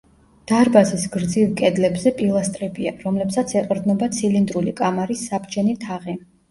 დარბაზის გრძივ კედლებზე პილასტრებია, რომლებსაც ეყრდნობა ცილინდრული კამარის საბჯენი თაღი.